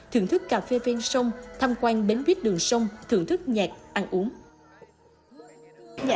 thưởng thức cà phê ven sông tham quan bến viết đường sông thưởng thức nhạc ăn uống